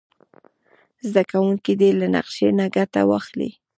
زده کوونکي دې له نقشې نه ګټه واخلي.